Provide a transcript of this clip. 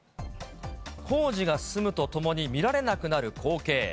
工事が進むとともに、見られなくなる光景。